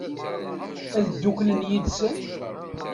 Ad dduklen yid-sen?